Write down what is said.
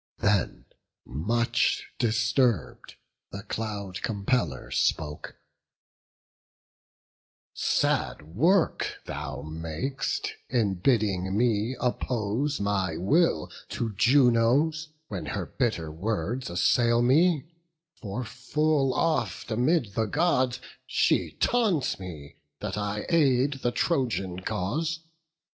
Then, much disturb'd, the Cloud compeller spoke: "Sad work thou mak'st, in bidding me oppose My will to Juno's, when her bitter words Assail me; for full oft amid the Gods She taunts me, that I aid the Trojan cause.